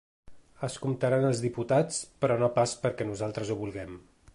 Es comptaran els diputats, però no pas perquè nosaltres ho vulguem.